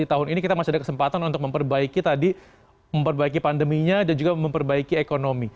tahun ini kita masih ada kesempatan untuk memperbaiki tadi memperbaiki pandeminya dan juga memperbaiki ekonomi